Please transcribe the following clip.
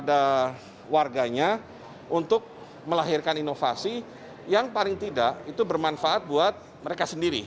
dan juga untuk pemerintah warganya untuk melahirkan inovasi yang paling tidak itu bermanfaat buat mereka sendiri